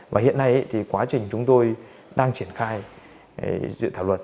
và hiện nay thì quá trình chúng tôi đang triển khai dự thảo luật